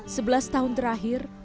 sebelas tahun terakhir